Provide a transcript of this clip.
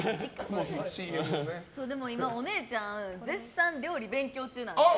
でもお姉ちゃん絶賛、料理勉強中なんです。